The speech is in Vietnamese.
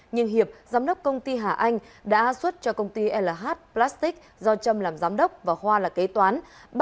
nhưng hiệp giám đốc công ty hà anh đã xuất cho công ty lh plastic do trâm làm giám đốc và hoa là kế toán